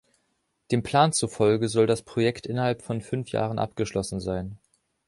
Dem Plan zufolge soll das Projekt innerhalb von fünf Jahren abgeschlossen sein.